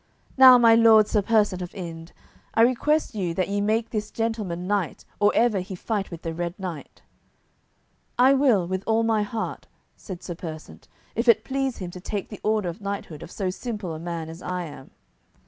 Now, my lord Sir Persant of Inde, I request you that ye make this gentleman knight or ever he fight with the Red Knight." "I will with all my heart," said Sir Persant, "if it please him to take the order of knighthood of so simple a man as I am."